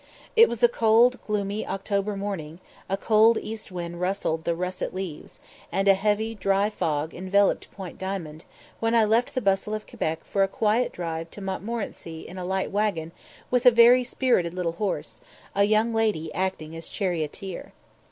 It was a cold, gloomy October morning, a cold east wind rustled the russet leaves, and a heavy, dry fog enveloped Point Diamond, when I left the bustle of Quebec for a quiet drive to Montmorenci in a light waggon with a very spirited little horse, a young lady acting as charioteer.